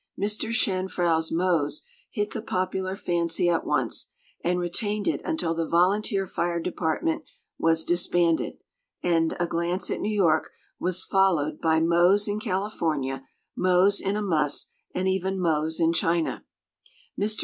Mr. Chanfrau's Mose hit the popular fancy at once, and retained it until the Volunteer Fire Department was disbanded; and A Glance at New York was fol lowed by Mose in California, Mose in a Muss, and even Mose in China. Mr.